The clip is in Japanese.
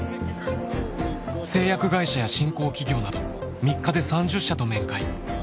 製薬会社や新興企業など３日で３０社と面会。